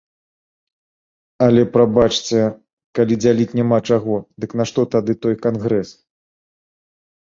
Але, прабачце, калі дзяліць няма чаго, дык нашто тады той кангрэс?